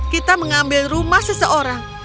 kita mengambil rumah seseorang